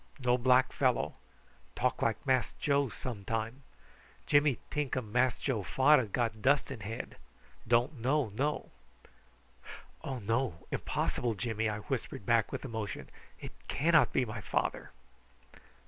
No black fellow. Talk like Mass Joe some time. Jimmy tink um Mass Joe fader got dust in head. Don't know know." "Oh no! impossible, Jimmy," I whispered back with emotion. "It cannot be my father."